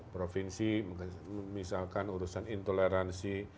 provinsi misalkan urusan intoleransi